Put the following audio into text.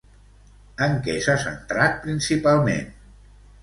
En què s'ha centrat principalment?